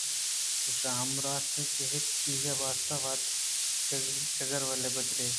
ایش ہم راست اِنت کہ ہچ چیز ءِ واستہ وت ءَ جگروے بدئے